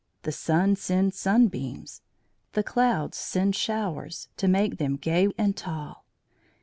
The sun sends sunbeams, the clouds send showers, To make them gay and tall.